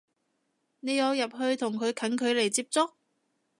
你有入去同佢近距離接觸？